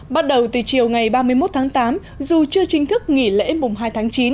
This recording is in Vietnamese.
bắt đầu từ chiều ngày ba mươi một tháng tám dù chưa chính thức nghỉ lễ mùng hai tháng chín